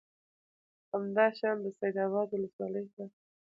همدا شان د سید آباد ولسوالۍ ته